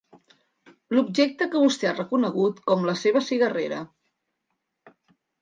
L'objecte que vostè ha reconegut com la seva cigarrera.